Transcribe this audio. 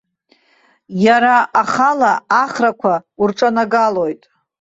Иара ахала ахрақәа урҿанагалоит.